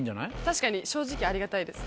確かに正直ありがたいです。